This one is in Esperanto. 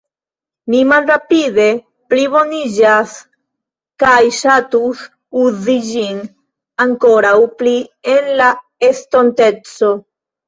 Mi malrapide pliboniĝas kaj ŝatus uzi ĝin ankoraŭ pli en la estonteco.